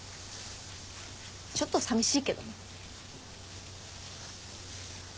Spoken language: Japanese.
ちょっとさみしいけどね。